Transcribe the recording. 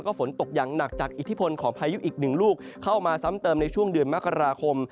ฝนตกอย่างหนักจากอิทธิพลของพายุอีกหนึ่งลูกเข้ามาซ้ำเติมในช่วงเดือนมกราคม